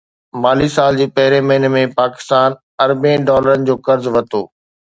مالي سال جي پهرين مهيني ۾ پاڪستان اربين ڊالرن جو قرض ورتو